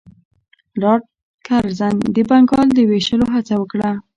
لارډ کرزن د بنګال د ویشلو هڅه وکړه.